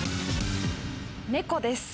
猫です